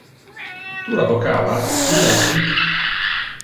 Tu la vocava? Illa es hic!